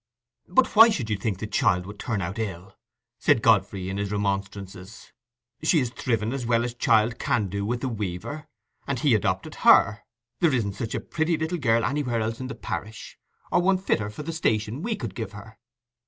"But why should you think the child would turn out ill?" said Godfrey, in his remonstrances. "She has thriven as well as child can do with the weaver; and he adopted her. There isn't such a pretty little girl anywhere else in the parish, or one fitter for the station we could give her.